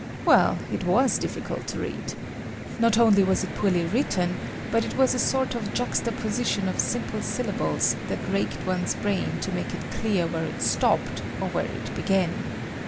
Well, it was difficult to read. Not only was it poorly written but it was a sort of juxtaposition of simple syllables that racked one's brain to make it clear where it stopped or where it began.